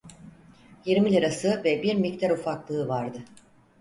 Yirmi lirası ve bir miktar ufaklığı vardı.